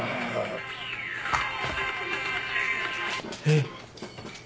えっ？